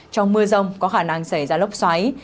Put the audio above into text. trong mưa rông có khả năng xảy ra lốc xoáy